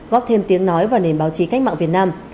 góp thêm tiếng nói vào nền báo chí cách mạng việt nam